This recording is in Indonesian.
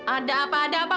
ada apa ada apa